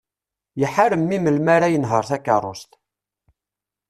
Iḥar mmi melmi ara yenher takerrust.